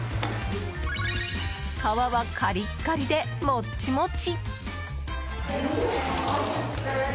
皮はカリッカリでモッチモチ。